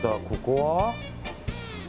ここは？